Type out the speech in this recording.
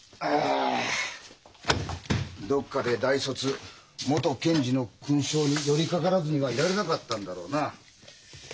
どっかで「大卒」「元検事」の勲章に寄りかからずにはいられなかったんだろうな。